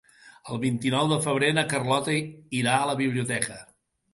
El vint-i-nou de febrer na Carlota irà a la biblioteca.